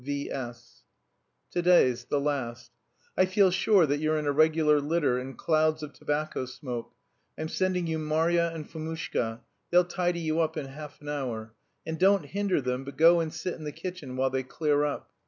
V. S." To day's, the last: "I feel sure that you're in a regular litter and clouds of tobacco smoke. I'm sending you Marya and Fomushka. They'll tidy you up in half an hour. And don't hinder them, but go and sit in the kitchen while they clear up.